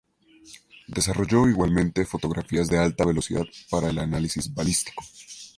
Desarrolló igualmente fotografías de alta velocidad para el análisis balístico.